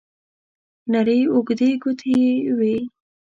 نرۍ اوږدې ګوتې یې وې.